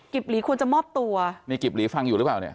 หลีควรจะมอบตัวนี่กิบหลีฟังอยู่หรือเปล่าเนี่ย